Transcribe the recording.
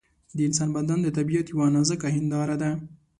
د انسان بدن د طبیعت یوه نازکه هنداره ده.